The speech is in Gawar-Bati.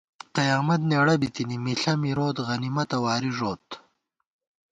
قیامت نېڑہ بِتِنی، مِݪہ مِروت غنیمتہ واری ݫوت